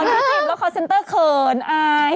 นั่งจีบแล้วคอร์เซ็นเตอร์เขินอาย